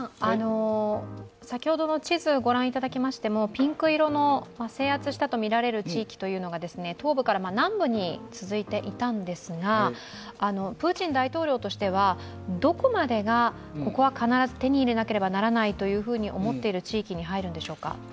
ピンク色の制圧したとみられる地域が東部から南部に続いていたんですが、プーチン大統領としてはどこまでが、ここは必ず手に入れなければならないと思っている地域に入るんでしょうか？